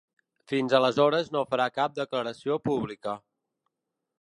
Fins aleshores no farà cap declaració pública.